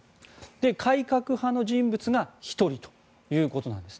改革派の人物が１人ということです。